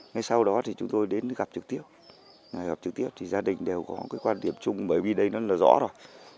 ngay sau đó thì chúng tôi đến gặp trực tiếp gặp trực tiếp thì gia đình đều có cái quan điểm chung bởi vì đây nó là rõ rồi